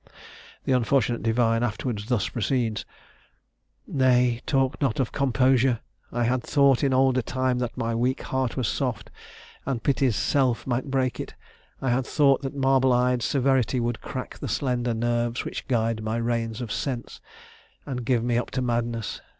The unfortunate divine afterwards thus proceeds: "Nay, talk not of composure! I had thought In older time, that my weak heart was soft, And pity's self might break it. I had thought That marble eyed Severity would crack The slender nerves which guide my reins of sense, And give me up to madness!